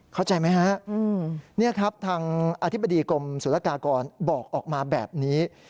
เข้าใจไหมฮะนี่ครับทางอธิบดีกรมศุลกากรบอกออกมาแบบนี้